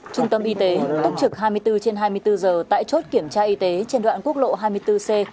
trung tâm y tế túc trực hai mươi bốn trên hai mươi bốn giờ tại chốt kiểm tra y tế trên đoạn quốc lộ hai mươi bốn c